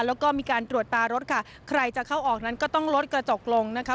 แล้วก็มีการตรวจตารถค่ะใครจะเข้าออกนั้นก็ต้องลดกระจกลงนะคะ